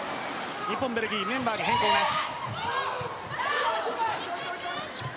日本、ベルギーメンバーに変更なし。